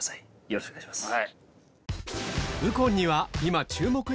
よろしくお願いします。